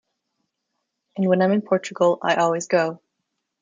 And when I'm in Portugal, I always go.